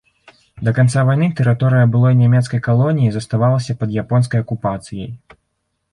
Да канца вайны тэрыторыя былой нямецкай калоніі заставалася пад японскай акупацыяй.